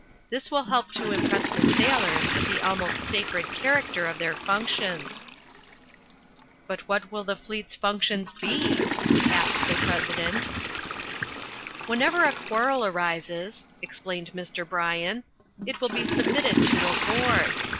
This will help to impress the sailors with the almost sacred character of their functions." "But what will the fleet's functions be?" asked the President. "Whenever a quarrel arises," explained Mr. Bryan, "it will be submitted to a Board.